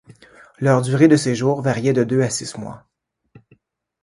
Leur durée de séjour variait de deux à six mois.